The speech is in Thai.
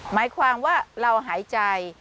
หมายความว่าเราหายใจ